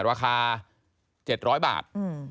ราคา๗๐๐บาท